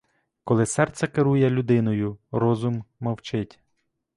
Коли серце керує людиною, розум мовчить.